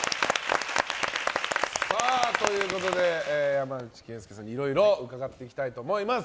山内惠介さんにいろいろ伺っていきたいと思います。